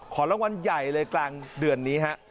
ขอรางวัลใหญ่เลยกล่างเดือนค่ะ